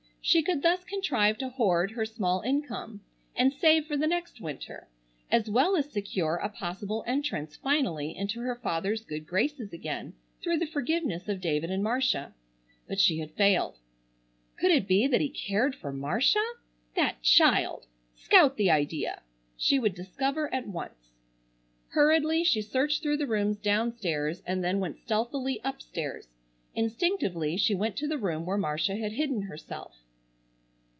She could thus contrive to hoard her small income, and save for the next winter, as well as secure a possible entrance finally into her father's good graces again through the forgiveness of David and Marcia. But she had failed. Could it be that he cared for Marcia! That child! Scout the idea! She would discover at once. Hurriedly she searched through the rooms downstairs and then went stealthily upstairs. Instinctively she went to the room where Marcia had hidden herself.